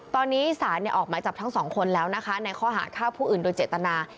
ตอนนี้สารออกหมายจับทั้งสองคนแล้วนะคะในข้อหาฆ่าผู้อื่นโดยเจตนา